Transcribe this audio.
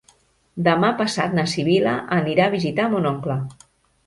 Demà passat na Sibil·la anirà a visitar mon oncle.